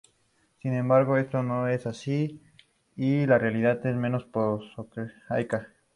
Sin embargo, esto no es así, y la realidad es menos prosaica.